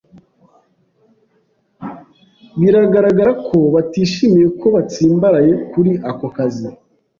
Biragaragara ko batishimiye ko batsimbaraye kuri ako kazi.